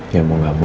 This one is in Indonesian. ya mau gak mau